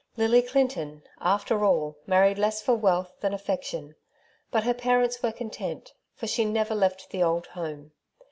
Lily Clinton, after all, married less for wealth than affection; but her parents were content, for she never left the old home.